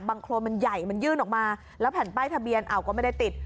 โครนมันใหญ่มันยื่นออกมาแล้วแผ่นป้ายทะเบียนเอาก็ไม่ได้ติด